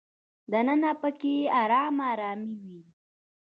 دننه په کې ارامه ارامي وي.